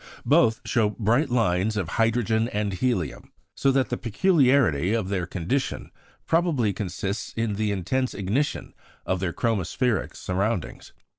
Both show bright lines of hydrogen and helium, so that the peculiarity of their condition probably consists in the intense ignition of their chromospheric surroundings.